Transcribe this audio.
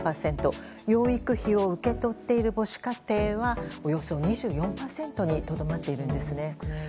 養育費を受け取っている母子家庭はおよそ２４％にとどまっているんですね。